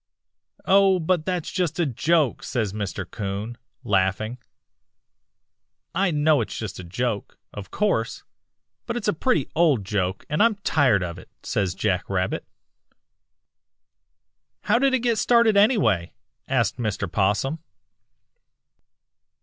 "'Oh, but that's just a joke,' says Mr. 'Coon, laughing. "'I know it's just a joke, of course, but it's a pretty old joke, and I'm tired of it,' says Jack Rabbit. "'How did it get started anyway?' asked Mr. 'Possum.